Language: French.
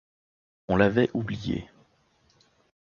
On l'avait oubliée.